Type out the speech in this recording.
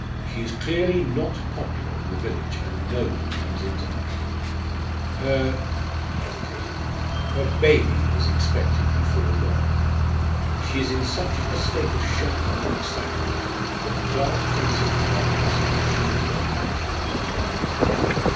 She is clearly not popular in the village, and no one comes in to her. Her" he hesitated "her baby is expected before long. She is in such a state of shock and excitement that Clarke thinks it quite possible she may go out of her mind.